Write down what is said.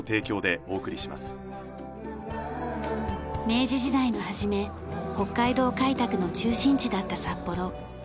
明治時代の初め北海道開拓の中心地だった札幌。